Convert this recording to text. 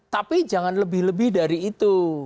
tapi jangan lebih lebih dari itu